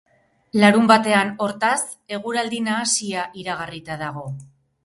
Larunbatean, hortaz, eguraldi nahasia iragarrita dago.